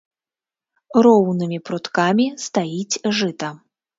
Роўнымі пруткамі стаіць жыта.